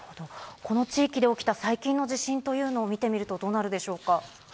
この地域で起きた最近の地震というのを見てみるとどうなるでしょうか？